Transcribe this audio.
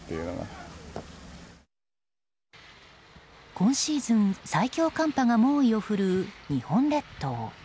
今シーズン最強寒波が猛威を振るう日本列島。